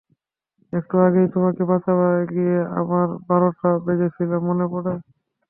একটু আগেই তোমাকে বাঁচাতে গিয়ে আমার বারোটা বেজেছিল, মনে পড়ে?